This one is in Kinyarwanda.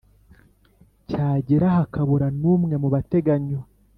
Cyagera hakabura n umwe mu bateganywa